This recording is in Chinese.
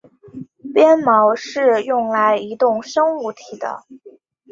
鞭毛是用来移动生物体的。